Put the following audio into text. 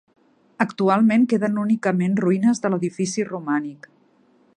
Actualment queden únicament ruïnes de l'edifici romànic.